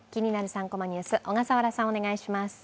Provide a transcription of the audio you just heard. ３コマニュース」、小笠原さん、お願いします。